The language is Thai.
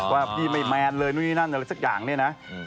ไม่แมนเลยนู่นนี่นั่นนั่นอะไรสักอย่างนี่นะ